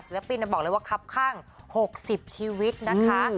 ปินบอกเลยว่าคับข้าง๖๐ชีวิตนะคะ